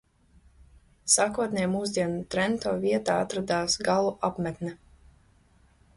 Sākotnēji mūsdienu Trento vietā atradās gallu apmetne.